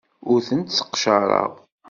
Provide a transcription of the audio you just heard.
Ur tent-sseqcareɣ.